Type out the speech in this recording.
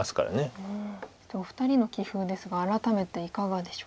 お二人の棋風ですが改めていかがでしょう？